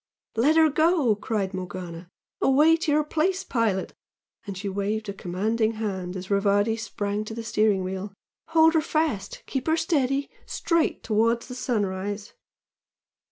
"Let her go!" cried Morgana "Away to your place, pilot!" and she waved a commanding hand as Rivardi sprang to the steering gear "Hold her fast! ... Keep her steady! Straight towards the sun rise!"